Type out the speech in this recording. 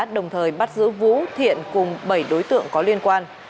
đồng thời bắt giữ vũ thiện cùng bảy đối tượng có liên quan